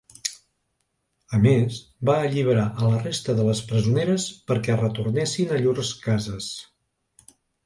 A més, va alliberar a la resta de les presoneres perquè retornessin a llurs cases.